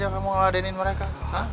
kenapa kamu mengeladenin mereka